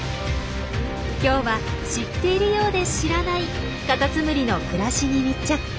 今日は知っているようで知らないカタツムリの暮らしに密着。